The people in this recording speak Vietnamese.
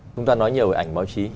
chúng ta nói nhiều về ảnh báo chí